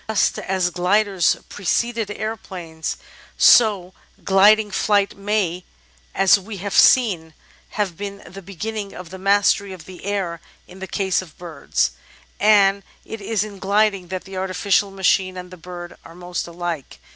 Just as gliders preceded aeroplanes, so gliding flight may, as we have seen, have been the beginning of the mastery of the air in the case of birds ; and it is in gliding that the artificial machine and the bird are most alike.